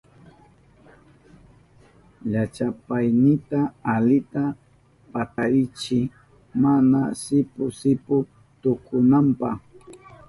Llachapaynita alita patarichiy mana sipu sipu tukunanpa.